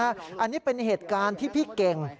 อันนี้เป็นเหตุการณ์ที่พี่เก่ง